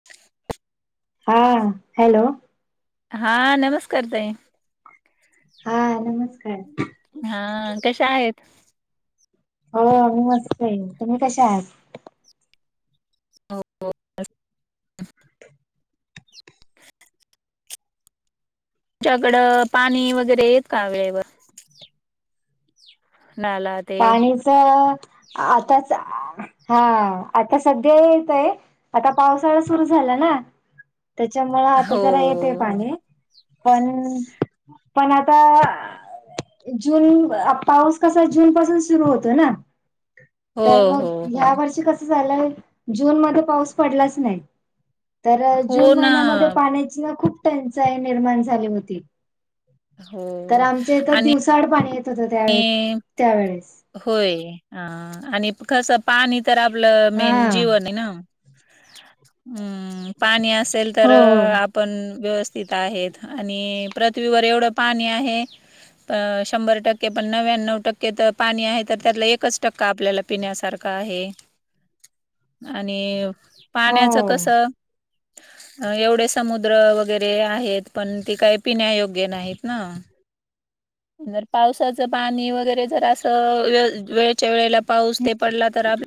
[inaudible] हा हॅलो. हा नमस्कार ताई. हा नमस्कार. हा कशा आहेत. हो मी मस्त तुम्ही कसे आहात. ह [inaudible] तुमच्याकडं पाणी वगैरे येतं वेळेवर. नाय आलं आज. पाणीच आताच आ. हा आता सध्या येतय आता पावसाळा सुरू झाला ना. त्याच्यामुळ आता हो, जरा येतेय हो. पाणी. पण पण आता जून पाऊस कसा. जून पासून सुरू होत तर हो, मग हो, हो. ह्या वर्ष कस. कसं झालं जून मध्ये पाऊस पडलाच नाही. तर जून हो ना. महिन्यामध्ये पाण्याची खूप टंचाई निर्माण झाली होती. हो तर आमच्या इथं आणि दिवसाड पाणी येत होतं त्या त्यावेेळेस. होय ह आणि कसं पाणी तर आपलं हा मेन जीवन आहे ना. हम् पाणी असेल तर हो आप पण व्यवस्थित आहेत आणि पृथ्वीवर एवढं पाणी आहे. शंभर टक्के. पण नव्याण्णव टक्के तर पाणी आहे तर त्यातला एकच टक्का आपल्याला पिण्यासारखा आहे. आणि हो पाण्याचं कसं. अ एवढे समुद्र वगैरे आहेत पण ते काही पिण्या योग्य नाहीत ना. ज पावसाचं पाणी वगैरे जर असं वेळच्या वेळेला पाऊस ते पडला तर अप्या.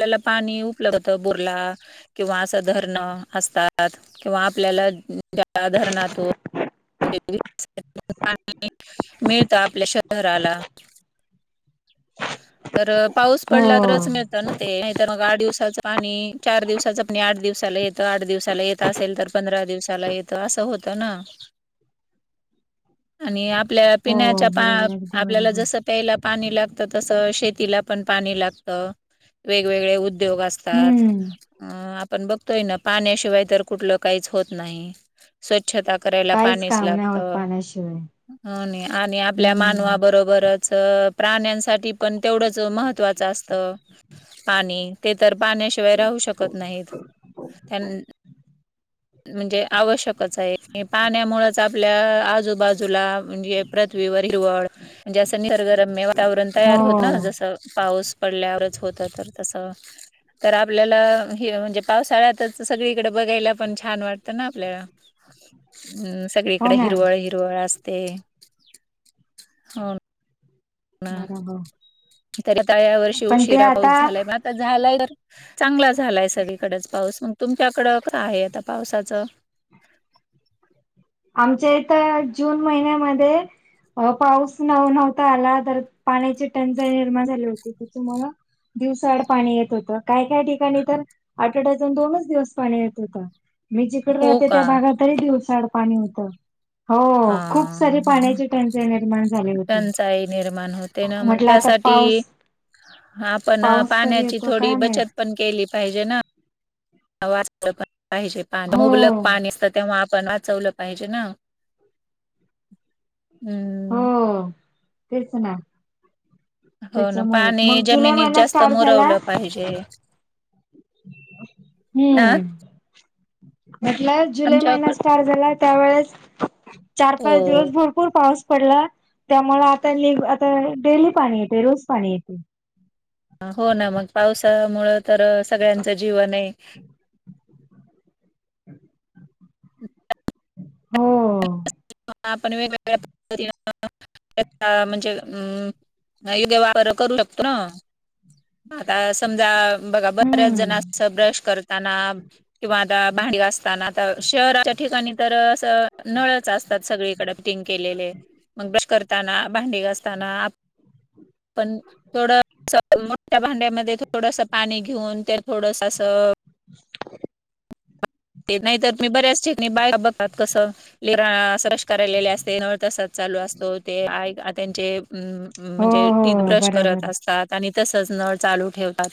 आपल्याला पाणी उपलब होतं बोर ला. किंवा असं धरणं असतात किंवा आपल्याला त्या धरणातून. पाणी मिळतं आपल्या शहराला. तर पाऊस हो पडला तरच मिळ ते नाही तर मग आठ दिवसाच पाणी चार दिवसाच पाणी आठ दिवसाला येतं आठ दिवसाला येत. असेल तर पंधरा दिवसाला येतं असं होतं ना. आणि आपल्या हो पिण्याच्या पा बरोबर अगदी आपल्याला बरोबर जस प्यायला पाणी ला गत तसं शेतीला पण पाणी लागत वेगवेगळे उ द्योग असतात हम्म अ आपण बघतोय ना पाण्याशिवाय तर कुठलं काहीच होत नाही. स्वच्छता करायला काहीच पाणीच काम नाही होत लागतं. पाण्याशिवाय हो नाही आणि आपल्या हम्म मानवाबरोबरच. च प्राण्यांसाठी पण तेवढंच महत्त्वाचं असत पाणी. ते तर पाण्याशिवाय राहू शकत नाहीत त्यां म्हणजे आवश्यकच आहे पाण्यामुळेंच आपल्या आजूबाजूला म्हणजे. पृथ्वीवर हिरवळ जस निसर्गरम्य वातावरण हो तयार होत ना जसं पाऊस. पडल्यावरच होत तर तसं. तर आपल्याला हे म्हणजे पावसाळ्यातच सगळीकडे बघायला पण छान वाटतं ना आपल्याला. हम् [unintelligible] हो सगळीकडे ना हिरवळ हिरवळ असते. हां बरोबर तर या वर्षी पण ते उशिरा आता पाऊस झालाय मग. तर झालंय तर चांगला झालाय सगळीकडेच पाऊस मग तुमच्याकडं का आहे आता पावसाचं. आमच्या इथं जून महिन्यामध्ये. पा पाऊस नव नव्हता आला तर पाण्याची टंचाई निर्माण झाली होती ती तुमहाला. दिवसाआड पाणी येत होतं काय काय ठिकाणी तर आठवडयातून दोनच दिवस पाणी येत होतं. मी जिकडे हो राहते का त्या भागातातरी दिवसाड पाणी होतं. हा हो खूप सारी पाण्याची टंचाई निर्माण झाली होती. टंचाई निर्माण होती. तेन मग म्हटलं आता त्यासाठी पाऊस आपण पाऊस कधी पाण्याची येतो थोडी काय माहित बचत पण केली पाहिजे ना? वाचवलं पण पाहिजे पा हो मुबलक पाणी असत तेव्हा आपण वाचवलं पाहिजे ना. हो हम्म तेच नां‌. हो ना पाणी जमिनीत महिना जास्त स्टार्ट झाला मुरवलं पाहिजे. ह हम्म म्हटल्या जुलै महिन्या आमच्याकड स्टार्ट झाला. त्यावेळेस चार हो पाच दिवस भर भरपूर पाऊस पडला त्यामुळे आता आता डेली पाणी येते रोज पाणी येते. हो ना मग पावसामुळं तर सगळ्यांचं जीवन आहे. हम्. हो. आपण वेगवेगळ्या पद्धतीनं म्हणजे अमं. योगे वापर करू शकतो ना आता समजा. बघा बऱ्याच जण हम्म अस ब्रश करत. किंवा आता भांडी वा असताना शहराच्या ठिकाणी. तर अस नळच असत. कडकिंग केले मग बश करताना भांडी घ असताना पण. थोड मोठ्या भांड्यामध्ये थोडस पाणी घेऊन ते थोडस अस. [unintelligible] ते नाही तरर मी बऱ्याच ठिकाणी बा बघात कसं. लिरा सरस करायलेले असते नळ तसात चालू असतो. ते आ त्यांचे हो म्हणजे हो टीथब्रश बराबर करत असतात. आणि तसच नळ चालू ठेवतात.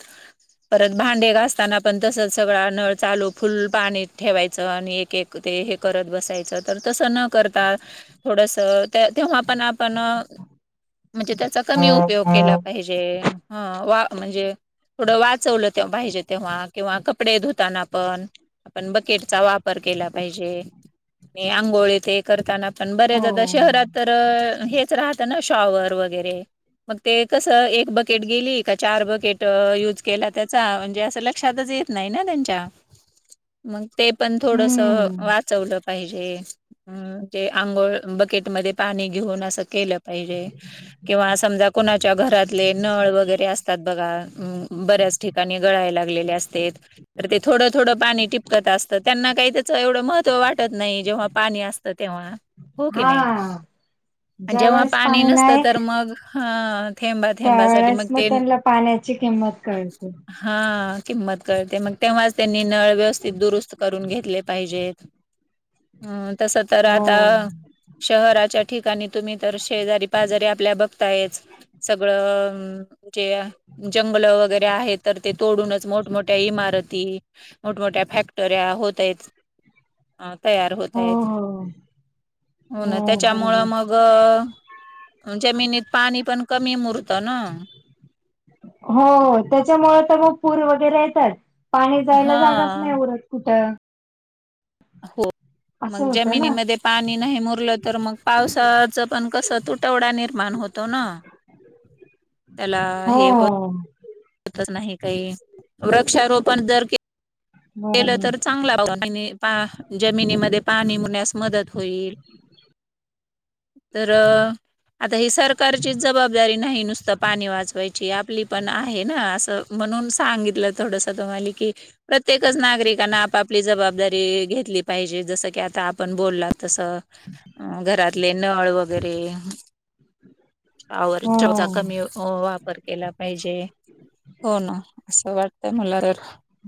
परत भांडे घासताना पण तस सगळा नळ चालू फुल. पाणी ठेवायचं आणि एक एक ते हे करत बसायचं तर तसं न करता. थोडस तेव्हा पण आपण म्हणजे त्याचा कमी उपयोग केला. पाहिजे ह वा म्हणजे थोडं वाचवलं ते्हा पाहिजे तेव्हा किंवा कपडे धुताना आपण आपण बकेटचा वापर केला पाहिजे आणि आंघोळ ते करताना पण हो. बरेचदा शहरात तर हेच राहत ना शॉवर वगैरे मग ते कस एक बकेट गेली का चार बकेट यूज केला त्याचा म्हणजे असं लक्षातच ये. नाही ना त्यांच्या मग ते पण थोडस हम्म वाचवलं. पाहिजे अ तेे आंघोळ बकेटमध्येध्ये पाणी घेऊन असं केलं पाहिजे. किंवा समजा कोणाच्या घरातले नळ वगैरे असतात बघा बऱ्याच ठिकाणी. गळा लागले अस. थोडं थोडं पाणी टिपकत असतं त्यांना काही त्याचं एवढं महत्व वाटतं. वाटत नाही जेव्हा पाणी असतं तेव्हा हो की नाही हा. ज्या जेव्हा वेळेस पाणी नसतं नाही तर मग अ. त्यावेेळेस मग त्यांना पाण्याची किंमत कळते. हा किंमत कळते मग तेव्हाच त्यांनी नळ व्यवस्थित दुरुस्त. करून घेतले पाहिजेत अ तस तर हो हो आता. शहराच्या ठिकाणी तुम्ही तर शेजारी पाजारी आपल्या बघतायच. सगळंजे जंगल वगैरे तर ते तोडूनच मोठमोठ्या इमारती मोठमोठ्या. फॅक्टऱ्या होत आहेतच. अ तयार होत आहेत हो हो ना त्याच्यामुळ मग. ग जमिनीत पाणी पण कमी मुरत ना. हो त्याच्यामुळे तर मग पूर वगैरे येतात पाणी जायला हा जागाच नाही उरत कुठं. हो असं मग होतं ना जमिनीमध्ये पाणी नाही मुरलं तर मग पावसाचं पण कसं तुटवडा निर्माण होतो ना. त्याला हे होत हो नाही काही वृक्षारोपण जर कि. केलं बरोबर तर चांगला बाघा. जमिनीमध्ये पाणी मुण्यास मदत होईल. तर आता ही सरकारचीच जबाबदारी नाही नुसता. पाणी वाचवायची आपली पण आहे ना असं म्हणून सांगितलं थोडस तुम्हाला की. प्रत्येक नागरिकांना आपाली जबाबदारी घेतली पाहिजे जस की आता. पण बोलला तस घरातले नळ वगैरे. आवर हो चौचा कमी हो वापर केला पाहिजे हो ना असं वाटतंय मला तर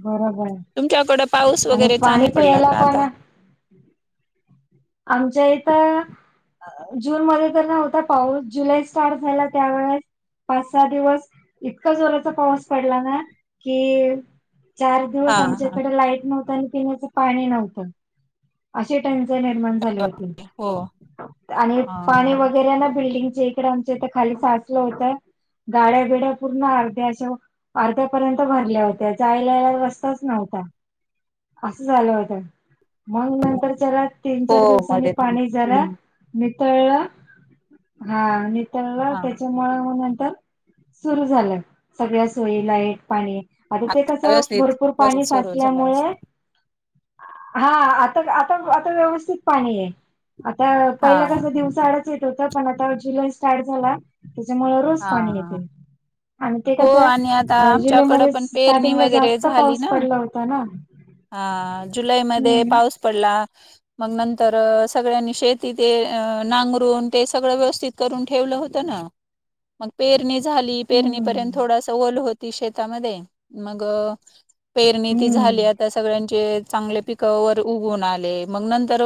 बरोबर तुमच्याकडं पाऊस आहे आणि वगैरे पाणी चांगला पडला पियला का पण आता? आमच्या इथं जून मध्ये तर नव्हता पाऊस जुलै स्टार्ट झाला त्यावेेळेस पाच सहा दिवस इतका जोराचा पाऊस पडला ना कि चार हा दिवस आमच्या हा इकडे लाईट नव्हत आणि पिण्याचं पाणी नव्हतं अे टेंशन पा हो हा वे बल्ंग तडे आमच्या इथ खाली साचलं होतं गाड्या बिड्या पूर्ण अर्ध्या अशा अर्ध्यापर्यंत भरल्या होत्या जायलाला रस्ताच नव्हता असं झालं होत मग नंतर त्याला तीन हो चार दिवसांनी मध्ये पाणी झालं हम्म नितळ हा नितळ हा त्याच्या नंतर सुरू झालं सगळ्या सोयी लाईट पाणी आता ते कसं व्यवस्थित भरपूर पाणी व्यवस्थित सुरू झाला साचल्यामुळे असत हा आता आता आता व्यवस्थित पाणी आहे आता हा पहिला कस हा दिवसा आआडच येत होत पण आता जुलै स्टार्ट झाला. त्याच्यामुळे रोज पाणी हा येतील. आणि ते हो कच आणि आता आमच्याकडं जुलैमध्येध पण पेरणी स्टार्टिंगला वगैरे जास्त झाली पाऊस ना पडला होता ना. हा जुलैमध्येध्ये हम्म पाऊस पडला. मग नंतर सगळ्यांनी शेती ते नांगरून ते सगळं व्यवस्थित करून ठेवलं होतं ना. मग पेरणी झाली पेरणीपर्यंत हम्म थोडासा ओल होती शेतामध्ये मग पेरणी ती झाली हम्म आता सगळ्यांचे चांगले पिकवर उघून आले मग नंतर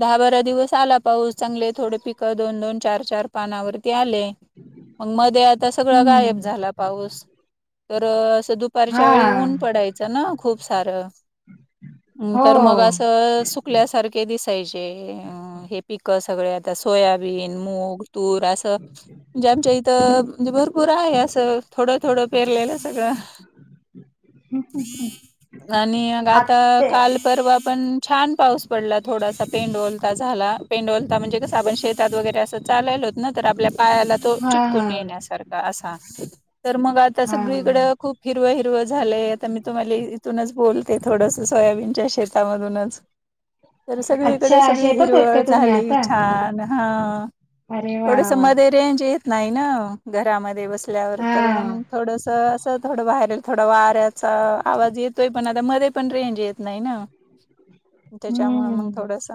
दहा बारा दिवस आला पाऊस चांगले थोडे पिक दोन दोन चार चार पानावरती आले मग मध्ये आता सगळं गायब हम्म झाला पाऊस तर असं दुपारच्या वेळी हा ऊन पडायचं ना खूप सार हो तर मग अस चकल्यासारखे दिसायचे हे पिक सगळे आता सोयाबीन मूग तूर असं म्हणजे आमच्या इथं म्हणजे भरपूर आहे असं थोडं थोडं पेरलेलं सगळं [unintelligible] आणि मग आता आत्ते काल परवा पण छान पाऊस पडला थोडासा पेंड ला पेंडता म्हणजे कसं आपण शेतात वगैरे असं चालल होत ना तर आपल्या पायाला हा हा चून येण्या असा मग आ हा सगळीक खप हिरवं हिरवं झालंय आता मी तुम्हाला इथूनच बोलते थोडंस सोयाबीनच्या शेतामधूनच तर अच्छा सगळीकडे सगळी शेतात आहेत हिरवळ का तुम्ही झाली आता छान हा अरे वा थोडस वा मधे रेंज येत नाही नवं घरामध्ये बस ल्यावर हा तर म्हणू थोडस असं थोडं बाहेरील थोडा वाऱ्याचा आवाज येतोय पण आता मध्ये पण रेंज येत नाही ना. तेच्यामुळ मंग हम्म थोडस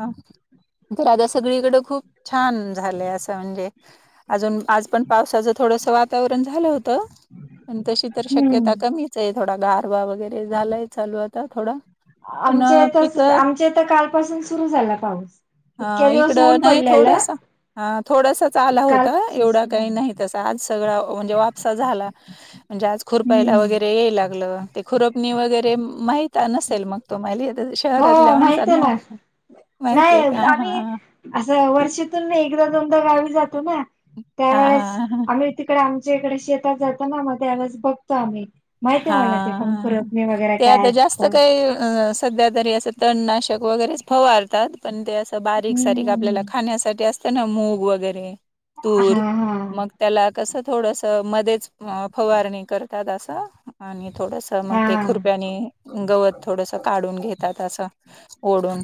तर आता सगळीकड खूप छान झालंय आसं म्हणजे आजून आज पण पावसाचं थोडस वातावरण झालं होतं पण तशी तर शक्यता हम्म कमी चं हे थोडा गारवा वगैरे झालाय चालू आता थोडा. पण आमच्या इथ पिक तसं आमच्या इथ कालपासून सुरू झाला पाऊस. हा इतक्या दिवस इकड ऊन नाही पडलेलं थोडासा हां थोडसाच आला होता कालपासून एवढा सुरू काही झालं नाही तसं आज सगळा म्हणजे वापसा झाला. म्हणजे आज खुरपायला हम्म वगैरे येय लागलं. ते खुरपणी वगैरे माहित नसेल मग? तुमाली येत अ हो शहरातल्या माहित आहे माणसांना ना माहितीये का? हां. आसं वर्षातून एकदा दोनदा गावी जातो ना हा त्यावेेळेस हा आम्ही तिकडे आमच्या इकडे शेतात जातो ना मग त्यावेळेस बघतो आम्ही. माहिती हा, आहे मला ते पण हा, हा खुरपणी वगैरे ते आता काय जास्त असतं काही असं सध्यातरी असं तणनाशक वगैरेच फवारतात. पण ते असं बारीक सारीक आपल्याला हम्म हम्म खाण्यासाठी अस तं ना मूग वगैरे तूर हा हा मग तेला कसं थोडस मध्येच अ फवारणी करतात असं आणि थोडस तं मग हा ते खुरप्यानी गवत थोडस काढून घेतात आसं. ओढून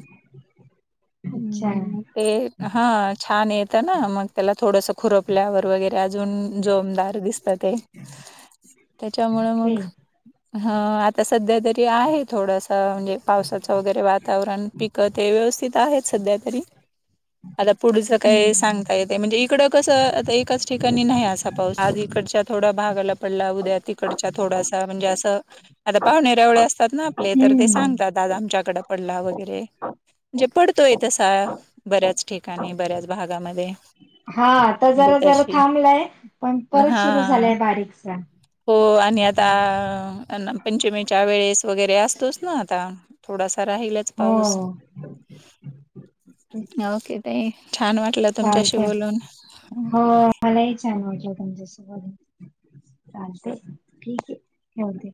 अच्छा अं, ते हा छान येतं ना मग तेला थोडस खुरपल्यावर वगैरे आजून जोमदार दिसत ते तेच्यामुळ ओके मंग हा आता सध्या तरी आहे थोडस म्हणजे पावसाचं वगैरे वातावरण पिक ते व्यवस्थित आहेत सध्या तरी, आता पुढचं काय हम्म सांगता येते म्हणजे इकडं कसं आता एकाच ठिकाणी नाही आसा पाऊस आज इकडच्या थोडा भागाला पडला उद्या तिकडच्या थोडासा म्हणजे असं आता पाहुणेरावळे असतात ना आपले तर ते हम्म सांगता त आमच्याकड पडला वगैरे. म्हणजे पडतोय तसा बऱ्याच ठिकाणी, बऱ्याच भागामध्ये. हा आता म्हणजे जरा जरा तशी थांबलाय, पण परत सुरू हां. झालाय बारीकसा. हो आणि आ ता पंचमीच्या वेळेस वगैरे असतोच ना आता थोडासा राहिल हो. ओके ताई छान वाटलं तुमच्याशी चालतय बोलून. हो मलाही छान वाटलं तुमच्यासोबत चालते ठीक हे ठेवते.